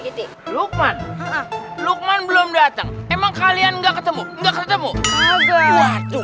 gitu lukman lukman belum datang emang kalian nggak ketemu nggak ketemu agar